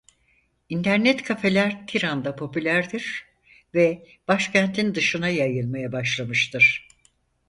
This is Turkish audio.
İnternet kafeler Tiran'da popülerdir ve başkentin dışına yayılmaya başlamıştır.